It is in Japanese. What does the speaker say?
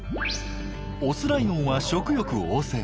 オスライオンは食欲旺盛。